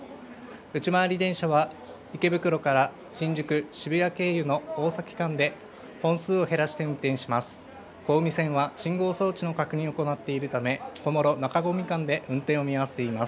内回り電車は、池袋から新宿・渋谷経由の大崎間で、本数を減らして運転します。